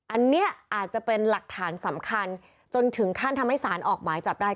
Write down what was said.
อันนี้อาจจะเป็นหลักฐานสำคัญจนถึงขั้นทำให้สารออกหมายจับได้